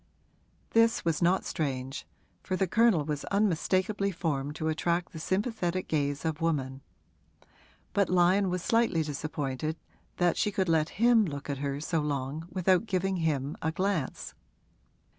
This was not strange, for the Colonel was unmistakably formed to attract the sympathetic gaze of woman; but Lyon was slightly disappointed that she could let him look at her so long without giving him a glance.